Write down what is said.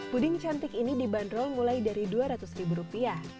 puding cantik ini dibanderol mulai dari rp dua ratus ribu rupiah